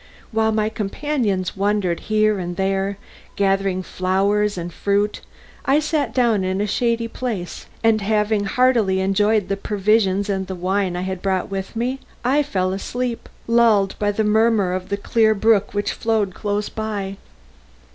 While my companions wandered here and there gathering flowers and fruit I sat down in a shady place, and, having heartily enjoyed the provisions and the wine I had brought with me, I fell asleep, lulled by the murmur of a clear brook which flowed close by.